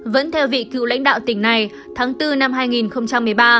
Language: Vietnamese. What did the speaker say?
vẫn theo vị cựu lãnh đạo tỉnh này tháng bốn năm hai nghìn một mươi ba